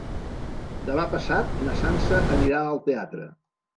Demà passat na Sança anirà al teatre.